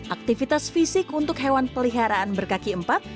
aktivitas fisik untuk hewan peliharaan berkaki empat